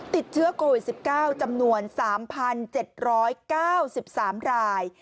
ติดเชื้อโควิด๑๙จำนวน๓๗๙๓ราย